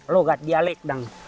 lo gak dialek dong